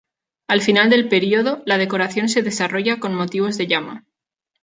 Al final del período, la decoración se desarrolla con motivos de llama.